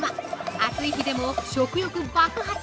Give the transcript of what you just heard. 暑い日でも食欲爆発！